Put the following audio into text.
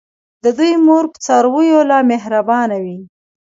د دوی مور په څارویو لا مهربانه وي.